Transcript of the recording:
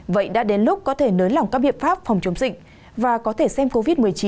vậy đã đến lúc có thể nới lỏng các biện pháp phòng chống dịch và có thể xem covid một mươi chín